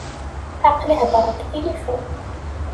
Aql-i heddreɣ deg tilifu.